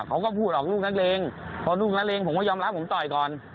เขาก็พูดออกลูกนักเลงพอลูกนักเลงผมก็ยอมรับผมต่อยก่อน